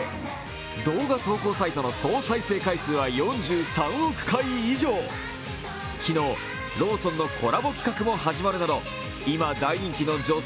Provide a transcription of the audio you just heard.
動画投稿サイトの総再生回数は４３億回以上、昨日、ローソンのコラボ企画も始まるなど、今、大人気の女性